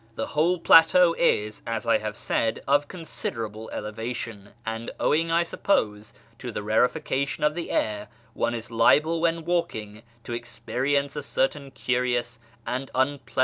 The whole plateau is, as I have said, of considerable elevation, and owing, I suppose, to the rarefaction of the air, one is liable when walking to experience a certain curious and unpleasant shortness of breath.